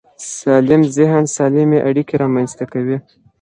سالم ذهن سالمې اړیکې رامنځته کوي.